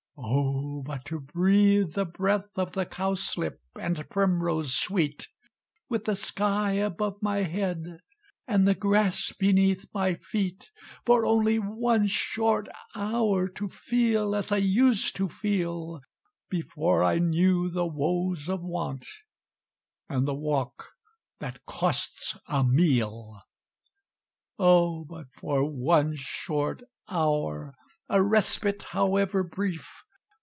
"Oh! but to breathe the breath Of the cowslip and primrose sweet With the sky above my head, And the grass beneath my feet, For only one short hour To feel as I used to feel, Before I knew the woes of want And the walk that costs a meal! "Oh! but for one short hour! A respite however brief!